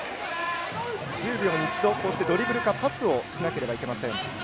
１０秒に一度、ドリブルかパスをしなければなりません。